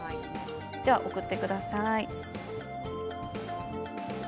では送ってください。